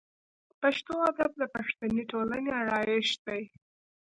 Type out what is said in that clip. پښتو ادب د پښتني ټولنې آرایش دی.